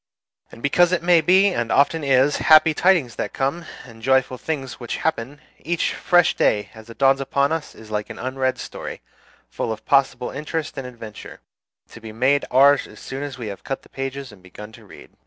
And because it may be, and often is, happy tidings that come, and joyful things which happen, each fresh day as it dawns upon us is like an unread story, full of possible interest and adventure, to be made ours as soon as we have cut the pages and begun to read.